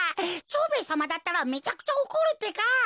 蝶兵衛さまだったらめちゃくちゃおこるってか。